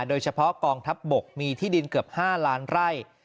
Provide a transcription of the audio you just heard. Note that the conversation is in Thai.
โดยเฉพาะกองทัพบกมีที่ดินเกือบ๕ล้านไร่